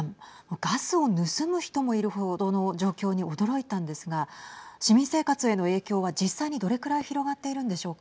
ガスを盗む人もいる程の状況に驚いたんですが市民生活への影響は実際にどれくらい広がっているんでしょうか。